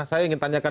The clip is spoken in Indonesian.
saya ingin tanyakan